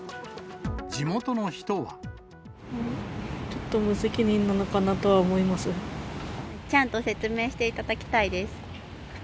ちょっと無責任なのかなとはちゃんと説明していただきたいです。